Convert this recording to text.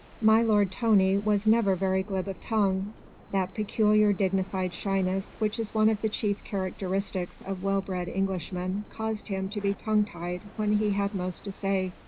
My lord Tony was never very glib of tongue. That peculiar dignified shyness which is one of the chief characteristics of well bred Englishmen caused him to be tongue tied when he had most to say.